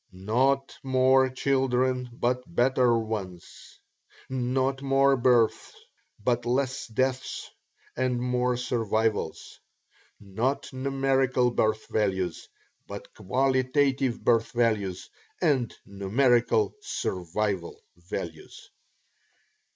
"NOT MORE CHILDREN, BUT BETTER ONES; NOT MORE BIRTHS, BUT LESS DEATHS AND MORE SURVIVALS; NOT NUMERICAL BIRTH VALUES, BUT QUALITATIVE BIRTH VALUES AND NUMERICAL SURVIVAL VALUES."